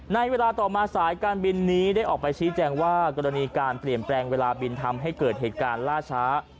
ในเวลาต่อมาสายการบินนี้ได้ออกไปชี้แจงว่ากรณีการเปลี่ยนแปลงเวลาบินทำให้เกิดเหตุการณ์ล่าช้า